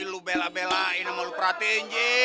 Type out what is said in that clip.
lu bela belain emang lu perhatiin ji